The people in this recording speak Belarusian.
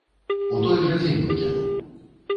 У той жа дзень выкіну!